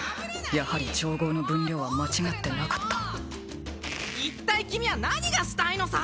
やはり調合の分量は間違ってなかった一体君は何がしたいのさ！